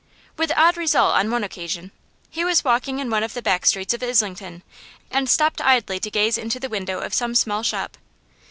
With odd result on one occasion. He was walking in one of the back streets of Islington, and stopped idly to gaze into the window of some small shop.